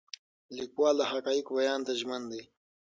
لیکوال د حقایقو بیان ته ژمن دی.